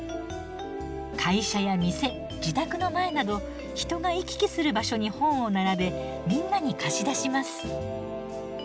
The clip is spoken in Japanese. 会社や店自宅の前など人が行き来する場所に本を並べみんなに貸し出します。